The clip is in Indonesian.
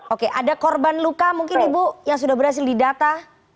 oke ada korban luka mungkin ibu yang sudah berhasil didata